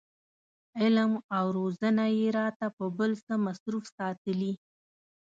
علم او روزنه یې راته په بل څه مصروف ساتلي.